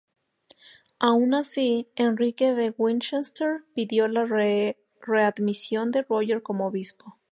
Aun así, Enrique de Winchester pidió la readmisión de Roger como obispo.